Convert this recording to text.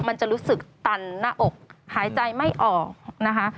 มันจะรู้สึกตันหน้าอกหายใจไม่ออกนะคะ